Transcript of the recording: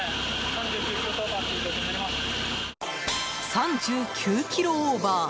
３９キロオーバー！